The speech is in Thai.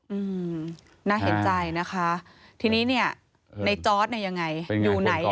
อืมน่าเห็นใจนะคะทีนี้เนี่ยในจอร์ดเนี่ยยังไงอยู่ไหนอ่ะ